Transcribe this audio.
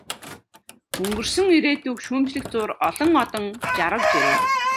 Өнгөрсөн ирээдүйг шүүмжлэх зуур олон одон жарав, жирэв.